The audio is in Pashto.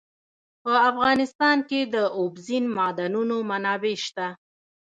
په افغانستان کې د اوبزین معدنونه منابع شته.